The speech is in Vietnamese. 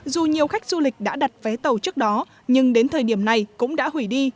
dù nhiều khách du lịch đã đặt vé tàu trước đó nhưng đến thời điểm này cũng đã hủy đi